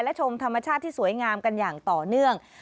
และชมธรรมชาติที่สวยงามกันอย่างต่อเนื่อง